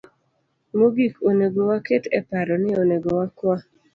Mogik, onego waket e paro ni onego wakwa